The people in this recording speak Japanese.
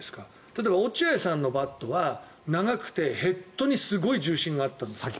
例えば、落合さんのバットは長くてヘッドにすごい重心があったんです。